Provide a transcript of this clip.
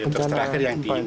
terus terakhir yang di lion ini